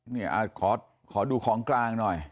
เนี่ยขอดูของกลางหน่อย